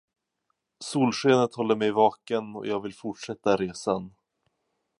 Solskenet håller mig vaken, och jag vill fortsätta resan.